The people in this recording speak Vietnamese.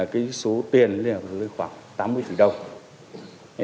và số tiền là khoảng tám mươi tỷ đồng